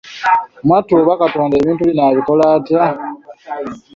Mwattu oba katonda ebintu bino abikola atya?